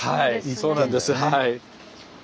そうなんですはい。